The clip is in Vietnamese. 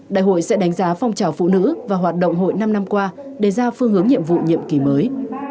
đại hội sẽ đánh giá phong trào phụ nữ và hoạt động hội năm năm qua đề ra phương hướng nhiệm vụ nhiệm kỳ mới